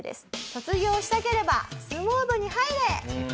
卒業したければ相撲部に入れ！